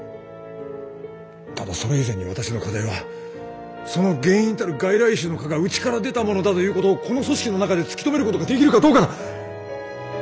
ただそれ以前に私の課題はその原因たる外来種の蚊がうちから出たものだということをこの組織の中で突き止めることができるかどうかだ。